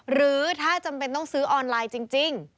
หรือถ้าจำเป็นต้องซื้อออนไลน์จริง